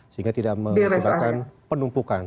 sehingga tidak menyebabkan penumpukan